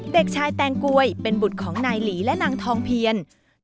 เด็กชายแตงกวยเป็นบุตรของนายหลีและนางทองเพียน